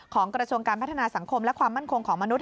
กระทรวงการพัฒนาสังคมและความมั่นคงของมนุษย